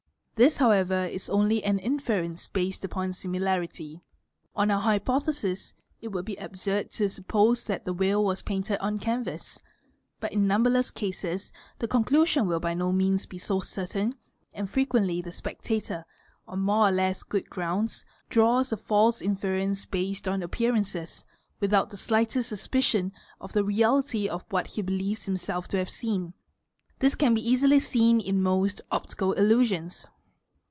This however, is only an inference based upon similarity; on our hypothesis, 1 would be absurd to suppose that the whale was painted on canvass; bu in numberless cases, the conclusion will by no means be so certain, and frequently the spectator, on more or less good grounds, draws a false inference based on appearances, without the slightest suspicion of the reality of what he believes himself to have seen. 'This can be easily seen in most optical illusions.